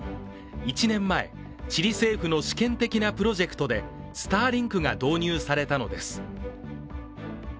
１年前、チリ政府の試験的なプロジェクトでスターリンクが導入されたのです。